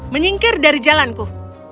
menyingkir dari jalanku